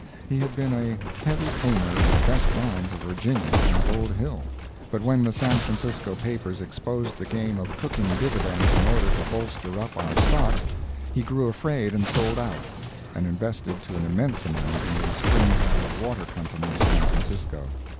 He had been a heavy owner in the best mines of Virginia and Gold Hill, but when the San Francisco papers exposed the game of cooking dividends in order to bolster up our stocks he grew afraid and sold out, and invested to an immense amount in the Spring Valley Water Company of San Francisco.